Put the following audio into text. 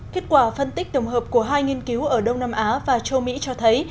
kết quả phân tích tổng hợp của hai nghiên cứu ở đông nam á và châu mỹ cho thấy